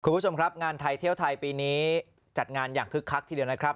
คุณผู้ชมครับงานไทยเที่ยวไทยปีนี้จัดงานอย่างคึกคักทีเดียวนะครับ